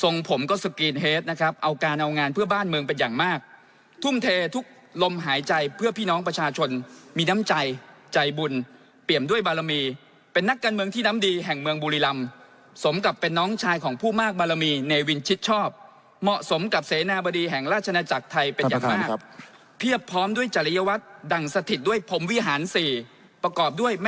ผมก็สกรีนเฮดนะครับเอาการเอางานเพื่อบ้านเมืองเป็นอย่างมากทุ่มเททุกลมหายใจเพื่อพี่น้องประชาชนมีน้ำใจใจบุญเปรียมด้วยบารมีเป็นนักการเมืองที่น้ำดีแห่งเมืองบุรีรำสมกับเป็นน้องชายของผู้มากบารมีเนวินชิดชอบเหมาะสมกับเสนาบดีแห่งราชนาจักรไทยเป็นอย่างมากเพียบพร้อมด้วยจริยวัตรดังสถิตด้วยพรมวิหารสี่ประกอบด้วยม